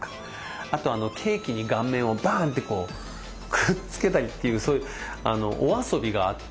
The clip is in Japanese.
あとケーキに顔面をバンってこうくっつけたりっていうそういうお遊びがあって。